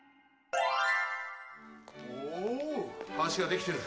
ほう橋ができてる！